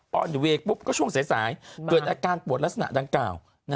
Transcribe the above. อนเวย์ปุ๊บก็ช่วงสายเกิดอาการปวดลักษณะดังกล่าว